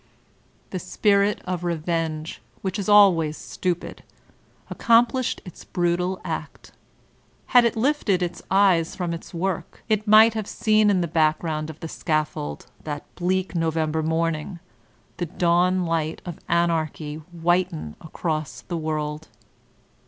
The spirit of revenge, which is always stupid, ac complished its brutal act. Had it lifted its eyes from its work, it might have seen in the background of the scaffold that bleak November morning the dawn light of Anarchy whiten across the world.